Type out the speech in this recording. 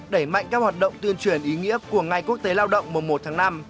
đẩy mạnh các hoạt động tuyên truyền ý nghĩa của ngày quốc tế lao động mùa một tháng năm